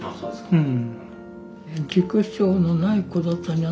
うん。